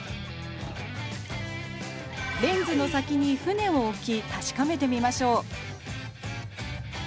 レンズの先に船を置き確かめてみましょう。